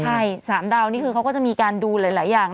ใช่๓ดาวนี่คือเขาก็จะมีการดูหลายอย่าง